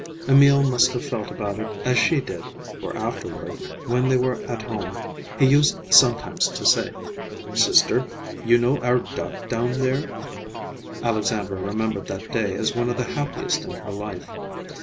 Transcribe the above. Emil must have felt about it as she did, for afterward, when they were at home, he used sometimes to say, "Sister, you know our duck down there—" Alexandra remembered that day as one of the happiest in her life.